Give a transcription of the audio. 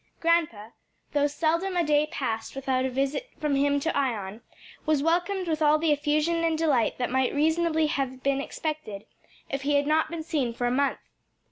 Grandpa, though seldom a day passed without a visit from him to Ion, was welcomed with all the effusion and delight that might reasonably have been expected if he had not been seen for a month.